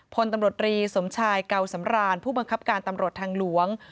พลตำรวจรีสมชายเก่าสำรานผู้บังคับการตำรวจทางหลวง